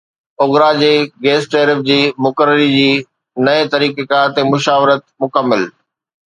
OGRA جي gas tariff جي مقرري جي نئين طريقيڪار تي مشاورت مڪمل